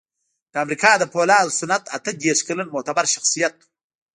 د امریکا د پولادو صنعت اته دېرش کلن معتبر شخصیت و